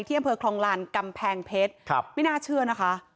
อำเภอคลองลานกำแพงเพชรไม่น่าเชื่อนะคะ